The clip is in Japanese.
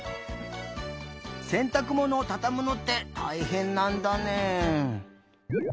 せんたくものをたたむのってたいへんなんだね。